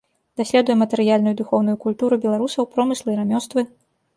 Даследуе матэрыяльную і духоўную культуру беларусаў, промыслы і рамёствы.